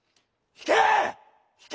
引け！